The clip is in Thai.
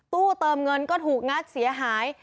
ตู้เติมเงินก็ถูกงัดเสียหาย